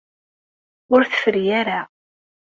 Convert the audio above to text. Ur tefri ara.